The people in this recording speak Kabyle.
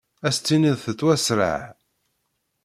As-tiniḍ tettwasraɛ.